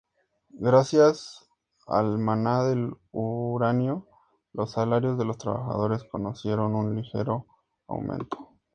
Gracias al maná del uranio, los salarios de los trabajadores conocieron un ligero aumento.